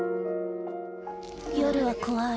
夜は怖い。